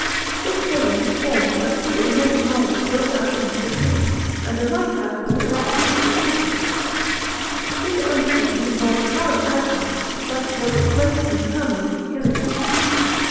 The haven was formed by two immense moles built out into the sea, and a lighthouse was erected at the entrance. This undertaking involved a large outlay, but it was of great and permanent utility.